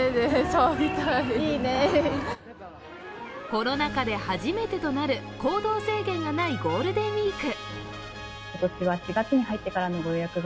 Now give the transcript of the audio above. コロナ禍で初めてとなる行動制限がないゴールデンウイーク。